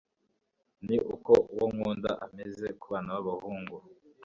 ni ko uwo nkunda ameze mu bana b'abahungu